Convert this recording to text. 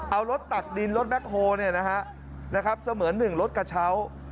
เอารถตักดินรถแบคโหว่าจึงเหมือนหนึ่งรถกระเช้า